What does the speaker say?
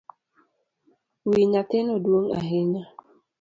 Wi nyathino duong’ ahinya